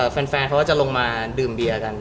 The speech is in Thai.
แฟนเขาก็จะลงมาดื่มเบียร์กัน